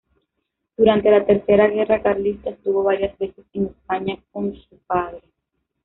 Durante la Tercera Guerra Carlista estuvo varias veces en España con su padre.